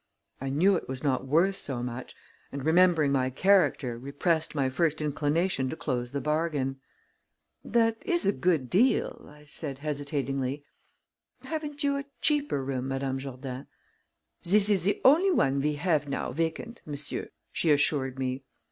I knew it was not worth so much, and, remembering my character, repressed my first inclination to close the bargain. "That is a good deal," I said hesitatingly. "Haven't you a cheaper room, Madame Jourdain?" "This is the only one we have now vacant, monsieur," she assured me.